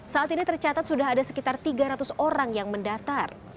saat ini tercatat sudah ada sekitar tiga ratus orang yang mendaftar